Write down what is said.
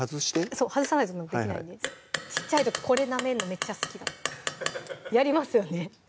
そう外さないとできないんで小っちゃい時これなめるのめっちゃ好きだったやりますよね